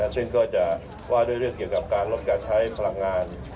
ซึ่งก็จะว่าด้วยเรื่องเกี่ยวกับการลดการใช้พลังงาน